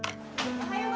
おはよう！